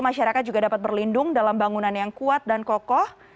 masyarakat juga dapat berlindung dalam bangunan yang kuat dan kokoh